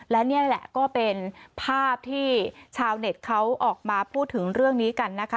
และนี่แหละก็เป็นภาพที่ชาวเน็ตเขาออกมาพูดถึงเรื่องนี้กันนะคะ